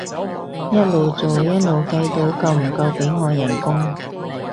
一路做一路計到夠唔夠俾我人工